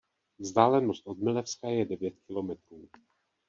Vzdálenost od Milevska je devět kilometrů.